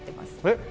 えっ！